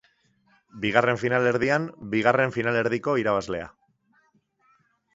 Bigarren finalerdian, bigarren finalerdiko irabazlea.